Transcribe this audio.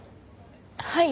はい？